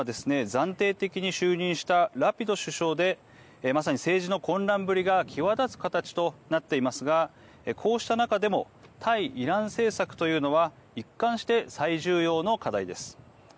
暫定的に就任したラピド首相でまさに政治の混乱ぶりが際立つ形となっていますがこうした中でも対イラン政策というのは一貫して最重要の課題です。